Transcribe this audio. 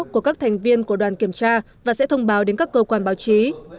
của các thành viên của đoàn kiểm tra và sẽ thông báo đến các cơ quan báo chí